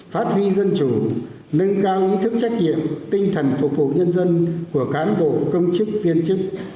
phát huy dân chủ nâng cao ý thức trách nhiệm tinh thần phục vụ nhân dân của cán bộ công chức viên chức